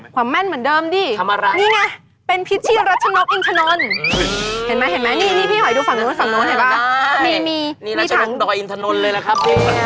ความแน่นเหมือนเดิมมั้ยความแน่นเหมือนเดิมดิครับ